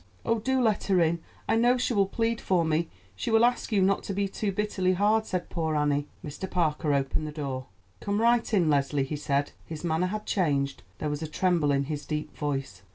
"Oh, do let her in. I know she will plead for me. She will ask you not to be too bitterly hard," said poor Annie. Mr. Parker opened the door. "Come right in, Leslie," he said. His manner had changed; there was a tremble in his deep voice.